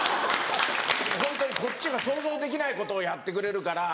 ホントにこっちが想像できないことをやってくれるから。